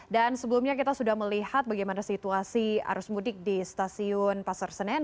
dan sebelumnya kita sudah melihat bagaimana situasi arus mudik di stasiun pasar senen